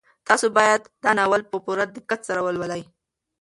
تاسو باید دا ناول په پوره دقت سره ولولئ.